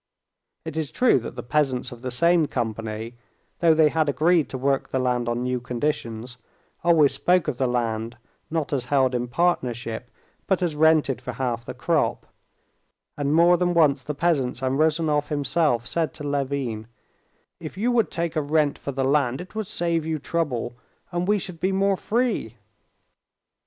It is true that the peasants of the same company, though they had agreed to work the land on new conditions, always spoke of the land, not as held in partnership, but as rented for half the crop, and more than once the peasants and Ryezunov himself said to Levin, "If you would take a rent for the land, it would save you trouble, and we should be more free."